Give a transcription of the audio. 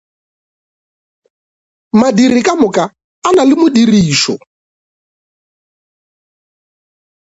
Madiri ka moka a na le modirišogo.